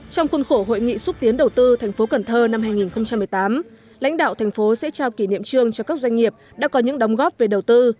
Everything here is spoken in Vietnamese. trong khuôn khổ hội nghị xúc tiến đầu tư thành phố cần thơ năm hai nghìn một mươi tám lãnh đạo thành phố sẽ trao kỷ niệm trương cho các doanh nghiệp đã có những đóng góp về đầu tư